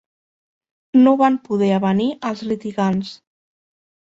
No van poder avenir els litigants.